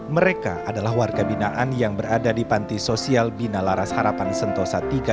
mereka adalah warga binaan yang berada di panti sosial binalaras harapan sentosa iii